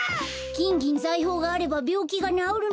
きんぎんざいほうがあればびょうきがなおるの？